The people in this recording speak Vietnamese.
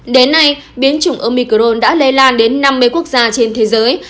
đến nay biến chủng omicron đã lây lan đến năm mươi quốc gia trên thế giới